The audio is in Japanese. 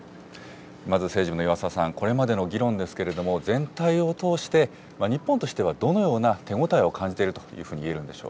まず政治部の岩澤さん、これまでの議論ですけれども、全体を通して日本としてはどのような手応えを感じているというふうにいえる